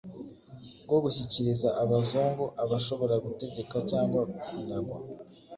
bwo gushyikiriza Abazungu abashobora gutegeka cyangwa kunyagwa.